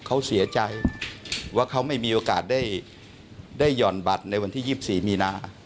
เขาเสียใจว่าเขาไม่มีโอกาสได้หย่อนบัตรในวันที่๒๔มีนา